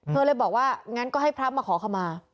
เลยบอกว่างั้นก็ให้พระมาขอขมา